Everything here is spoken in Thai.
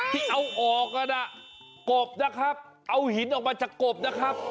ที่เอาออกกันกบนะครับเอาหินออกมาจากกบนะครับ